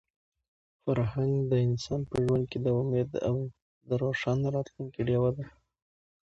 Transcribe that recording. فرهنګ د انسان په ژوند کې د امید او د روښانه راتلونکي ډیوه ده.